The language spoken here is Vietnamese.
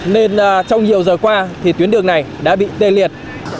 nên trong nhiều giờ qua thì tuyến đường này đã bị tê liệt